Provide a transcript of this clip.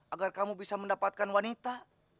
agar kamu bisa mendapatkan wanita